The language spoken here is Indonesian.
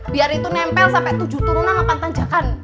biar itu nempel sampai tujuh turunan delapan tanjakan